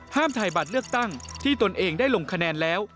ถ่ายบัตรเลือกตั้งที่ตนเองได้ลงคะแนนแล้ว